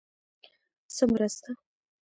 _څه مرسته؟